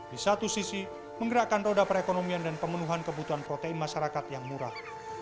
di satu sisi menggerakkan roda perekonomian dan pemenuhan kebutuhan protein masyarakat yang murah